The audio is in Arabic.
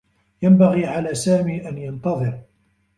ينبغي على سامي أن ينتظر.